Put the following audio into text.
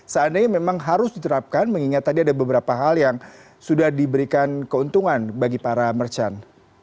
seandainya memang harus diterapkan mengingat tadi ada beberapa hal yang sudah diberikan keuntungan bagi para merchant